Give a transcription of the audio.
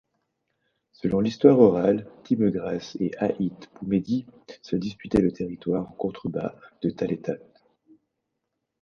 Selon l'histoire orale, Timeghras et Aït-Boumehdi se disputaient le territoire en contrebas de Thaletat.